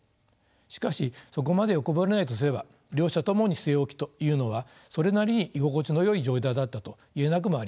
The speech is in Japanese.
しかしそこまで欲張れないとすれば両者ともに据え置きというのはそれなりに居心地のよい状態だったと言えなくもありません。